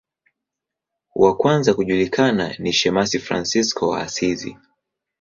Wa kwanza kujulikana ni shemasi Fransisko wa Asizi.